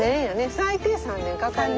最低３年かかるね。